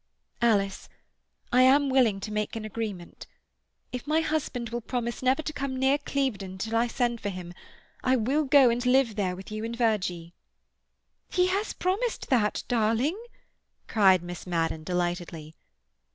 "Alice, I am willing to make an agreement. If my husband will promise never to come near Clevedon until I send for him I will go and live there with you and Virgie." "He has promised that, darling," cried Miss Madden delightedly.